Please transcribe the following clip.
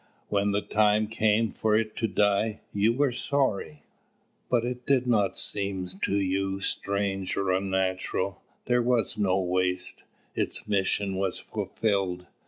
When the time came for it to die, you were sorry. But it did not seem to you strange or unnatural. There was no waste. Its mission was fulfilled.